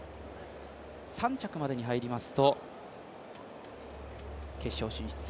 ３着までに入りますと決勝進出。